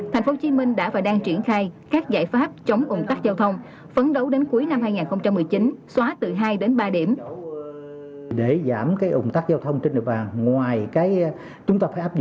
tp hcm đã và đang triển khai các giải pháp chống ủng tắc giao thông